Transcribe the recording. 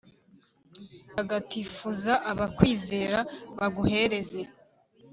tagatifuza abakwizera; baguhereze